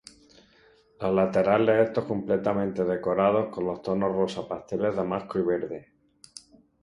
Las laterales estos completamente decorados con los tonos rosa pasteles, damasco y verde.